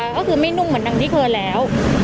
ก็คือไม่นุ่มเหมือนดังที่เคยแล้ว